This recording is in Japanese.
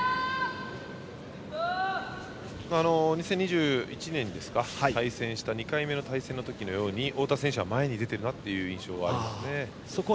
２０２１年、対戦した２回目の対戦の時のように太田選手は前に出ているなという印象はありますね。